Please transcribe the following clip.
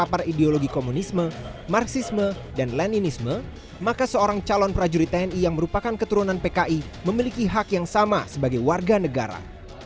terpapar ideologi komunisme marxisme dan leninisme maka seorang calon prajurit tni yang merupakan keturunan pki memiliki hak yang sama sebagai warga negara